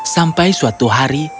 sampai suatu hari